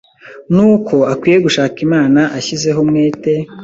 nuko akwiye no gushaka imana ashyizeho umwete